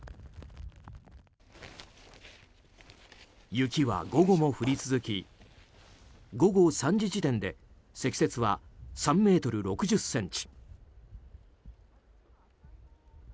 雪は午後も降り続き午後３時時点で積雪は３ｍ６０ｃｍ。